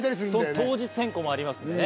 当日変更もありますんでね。